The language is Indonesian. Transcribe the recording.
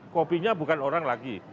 kopinya bukan orang lagi